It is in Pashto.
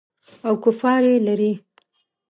او کفار یې لري.